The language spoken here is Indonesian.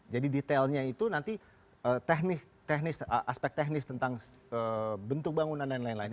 jadi detailnya itu nanti aspek teknis tentang bentuk bangunan dan lain lain